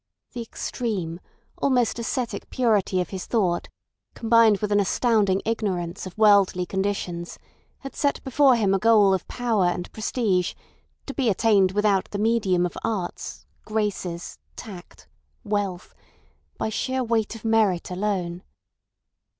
The extreme, almost ascetic purity of his thought, combined with an astounding ignorance of worldly conditions, had set before him a goal of power and prestige to be attained without the medium of arts, graces, tact, wealth—by sheer weight of merit alone.